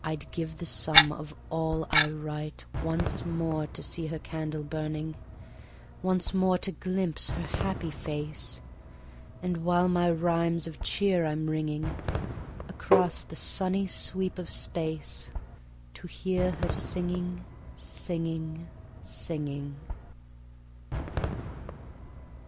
. I'd give the sum of all I write Once more to see her candle burning, Once more to glimpse her happy face, And while my rhymes of cheer I'm ringing, Across the sunny sweep of space To hear her singing, singing, singing.